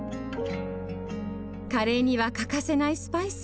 カレーには欠かせないスパイス。